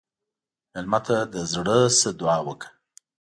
مېلمه ته له زړه نه دعا وکړه.